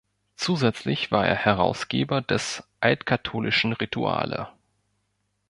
Zusätzlich war er Herausgeber des "Altkatholischen Rituale".